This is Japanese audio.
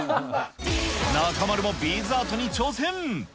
中丸もビーズアートに挑戦。